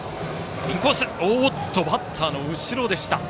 バッターの後ろでした。